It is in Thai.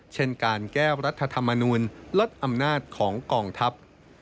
เช่นการแก้วรัฐธรรมนูลลดอำนาจของกองทัพ